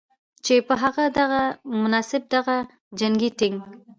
چې په هم دغه مناسبت دغه جنګي ټېنک